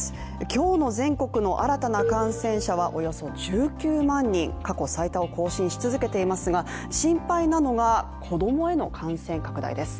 今日の全国の新たな感染者はおよそ１９万人、過去最多を更新し続けていますが、心配なのが子供への感染拡大です。